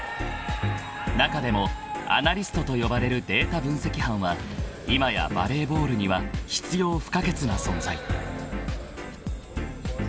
［中でもアナリストと呼ばれるデータ分析班は今やバレーボールには必要不可欠な存在］